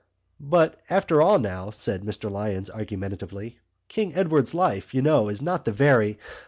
"But after all now," said Mr Lyons argumentatively, "King Edward's life, you know, is not the very...."